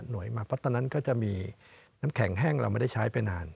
มาเพราะตอนนั้นก็จะมีน้ำแข็งแห้งเราไม่ได้ใช้ไปนาน